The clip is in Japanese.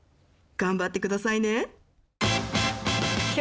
頑張ってくださいね。